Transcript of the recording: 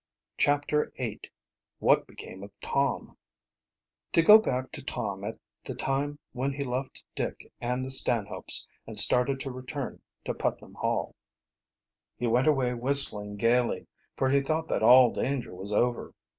CHAPTER VIII WHAT BECAME OF TOM To go back to Tom at the time when he left Dick and the Stanhopes, and started to return to Putnam Hall. He went away whistling gayly, for he thought that all danger was over.